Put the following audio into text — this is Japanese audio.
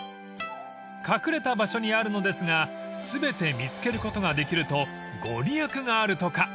［隠れた場所にあるのですが全て見つけることができると御利益があるとか］